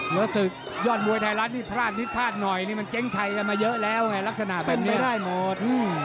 ว่าศึกยอดมวยไทยรัฐนี่พลาดนิดพลาดหน่อยนี่มันเจ๊งชัยกันมาเยอะแล้วไงลักษณะแบบนี้ได้หมด